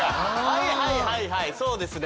はいはいはいはいそうですね。